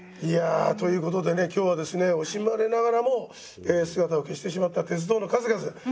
いやということでね今日はですね惜しまれながらも姿を消してしまった鉄道の数々。